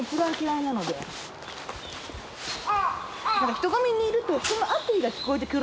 人混みにいると人の悪意が聞こえてくるような。